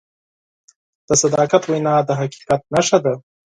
د صداقت وینا د حقیقت نښه ده.